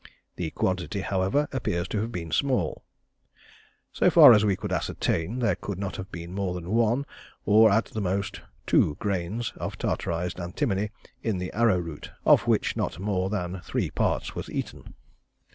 The quantity, however, appears to have been small. So far as we could ascertain, there could not have been more than one, or at the most two grains of tartarised antimony in the arrow root, of which not much more than three parts was eaten.